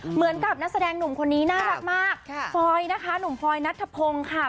เหมือนกับนักแสดงหนุ่มคนนี้น่ารักมากฟอยนะคะหนุ่มฟอยนัทธพงศ์ค่ะ